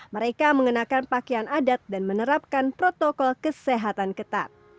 mereka mengenakan pakaian adat dan menerapkan protokol kesehatan ketat